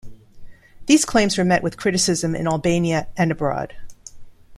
These claims were met with criticism in Albania and abroad.